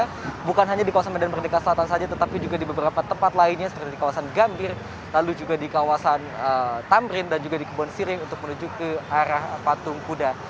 karena bukan hanya di kawasan medan merdeka selatan saja tetapi juga di beberapa tempat lainnya seperti di kawasan gambir lalu juga di kawasan tamrin dan juga di kebon siring untuk menuju ke arah patung kuda